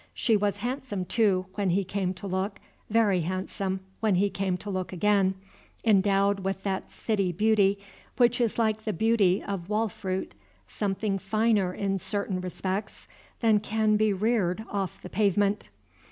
She was handsome, too, when he came to look, very handsome when he came to look again, endowed with that city beauty which is like the beauty of wall fruit, something finer in certain respects than can be reared off the pavement.